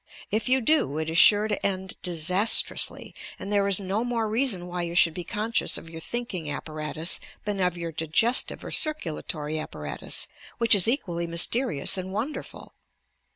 If you do, it is sure to end disastrously, and there is no more reason why you should be conscious of your thinking ap paratus than of your digestive or circulatory apparatus, which is equally mysterious and wonderful.